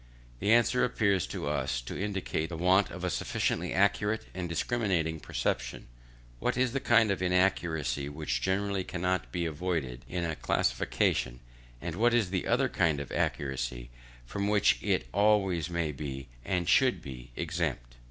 This answer appears to us to indicate the want of a sufficiently accurate and discriminating perception, what is the kind of inaccuracy which generally cannot be avoided in a classification, and what is that other kind of inaccuracy, from which it always may be, and should be, exempt.